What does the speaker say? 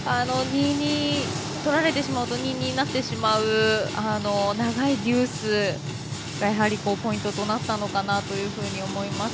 取られてしまうと２−２になってしまう長いデュースがポイントとなったのかなと思います。